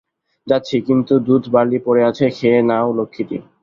যাচ্ছি, কিন্তু দুধ বার্লি পড়ে আছে, খেয়ে নাও লক্ষ্মীটি।